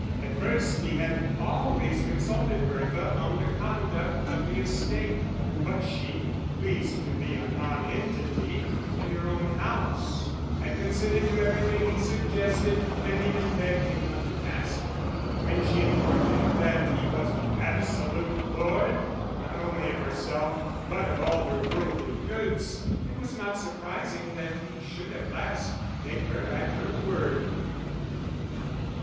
At first he had always consulted Bertha on the conduct of the estate; but she, pleased to be a nonentity in her own house, had consented to everything he suggested, and even begged him not to ask her. When she informed him that he was absolute lord not only of herself, but of all her worldly goods, it was not surprising that he should at last take her at her word.